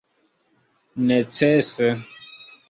necese